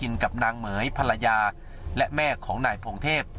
ต่างภรรยาและแม่ของหน่อยพรงเทพ